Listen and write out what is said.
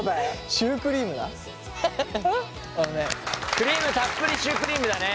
クリームたっぷりシュークリームだね。